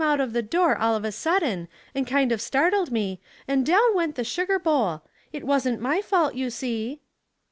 * out of the dooT" all of a sudden, and kind of startled me, and down went the sugar bowl. It wasn't my fault, you see."